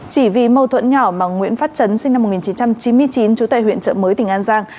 chỉ vì mâu thuẫn nhỏ mà nguyễn phát trấn sinh năm một nghìn chín trăm chín mươi chín trú tại huyện trợ mới tỉnh an giang